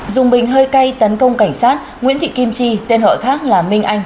dùng bình hơi cay tấn công cảnh sát nguyễn thị kim chi tên gọi khác là minh anh